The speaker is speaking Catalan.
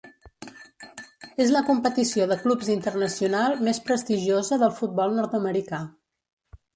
És la competició de clubs internacional més prestigiosa del futbol nord-americà.